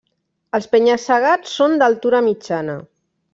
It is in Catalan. Els penya-segats són d'altura mitjana.